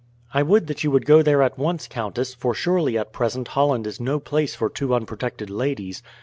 "I would that you would go there at once, countess; for surely at present Holland is no place for two unprotected ladies.